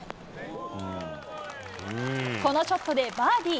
このショットでバーディー。